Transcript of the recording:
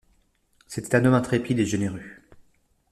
C’était un homme intrépide et généreux.